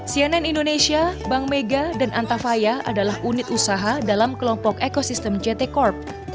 cnn indonesia bank mega dan antafaya adalah unit usaha dalam kelompok ekosistem jt corp